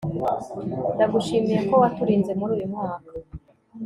ndagushimiye ko waturinze muruyu mwaka